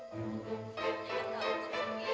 mau kerjaan ya